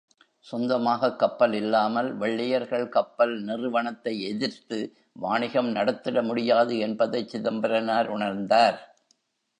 சொந்தமாகக் கப்பல் இல்லாமல் வெள்ளையர்கள் கப்பல் நிறுவனத்தை எதிர்த்து வாணிகம் நடத்திட முடியாது என்பதைச் சிதம்பரனார் உணர்ந்தார்.